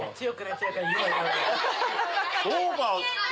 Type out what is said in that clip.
そうかな。